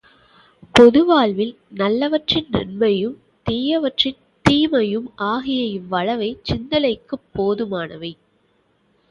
பொதுவாழ்வில் நல்லவற்றின் நன்மையும், தீயவற்றின் தீமையும் ஆகிய இவ்வளவே சிந்தனைக்குப் போதுமானவை.